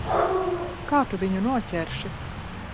Kā tu viņu noķersi?